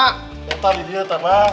tetap di diet ya mbah